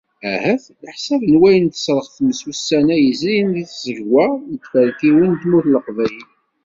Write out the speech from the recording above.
Ahat leḥsab n wayen tesreɣ tmes ussan-a yezrin di tẓegwa d tferkiwin n tmurt n leqbayel.